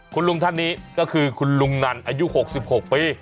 คุณลุงท่านนี้ก็คือคุณลุงนันอายุ๖๖ปี